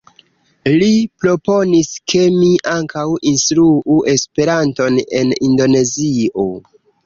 Li proponis ke mi ankaŭ instruu Esperanton en Indonezio.